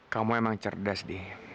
kamu emang cerdas deh